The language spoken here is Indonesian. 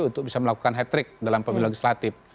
untuk bisa melakukan hat trick dalam pemilu legislatif